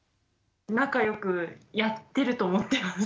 仲良くやってると思ってます。